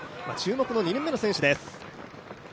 注目の２年目の選手です。